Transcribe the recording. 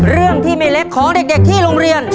เรื่องที่ไม่เล็กของเด็กที่โรงเรียน